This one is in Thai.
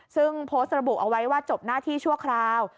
ซึ่งโพสต์ระบุเอาไว้ว่าจบหน้าที่ชั่วคราว